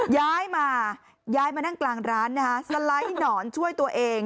ย้ายมาย้ายมานั่งกลางร้านนะคะสไลด์หนอนช่วยตัวเอง